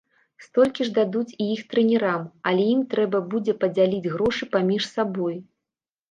Столькі ж дадуць і іх трэнерам, але ім трэба будзе падзяліць грошы паміж сабой.